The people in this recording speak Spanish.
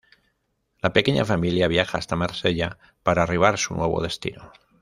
La pequeña familia viaja hasta Marsella para arribar su nuevo destino.